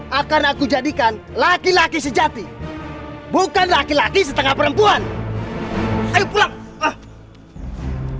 jangan sekali kali lagi anak saya akan berhenti mencari anak saya jangan sekali kali lagi anak saya